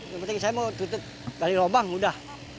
yang penting saya mau tutup kali robang udah